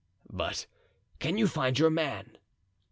"But can you find your man?"